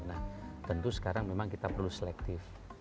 nah tentu sekarang memang kita perlu selektif